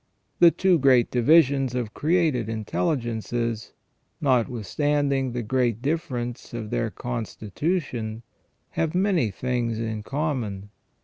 The two great divisions of created intelligences, notwithstanding the great difference of their constitution, have many things in common.